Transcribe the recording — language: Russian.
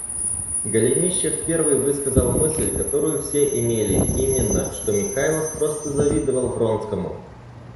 Голенищев первый высказал мысль, которую все имели, именно, что Михайлов просто завидовал Вронскому.